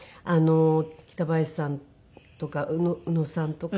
北林さんとか宇野さんとか。